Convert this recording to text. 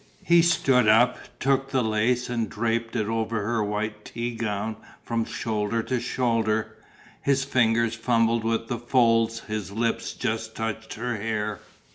He stood up, took the lace and draped it over her white tea gown from shoulder to shoulder. His fingers fumbled with the folds, his lips just touched her hair.